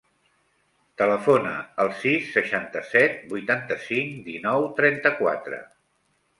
Telefona al sis, seixanta-set, vuitanta-cinc, dinou, trenta-quatre.